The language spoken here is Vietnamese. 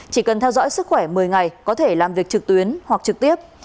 chỉ cần theo dõi sức khỏe một mươi ngày có thể làm việc trực tuyến hoặc trực tiếp